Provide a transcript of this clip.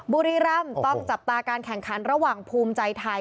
บุรีรำต้องจับตาการแข่งขันระหว่างภูมิใจไทย